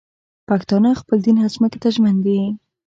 پښتانه خپل دین او ځمکې ته ژمن دي